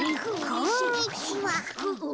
こんにちは。